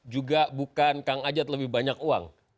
juga bukan kang ajat lebih banyak uang